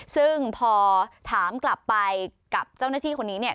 ซึ่งพอถามกลับไปกับเจ้าหน้าที่คนนี้เนี่ย